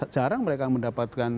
jarang mereka mendapatkan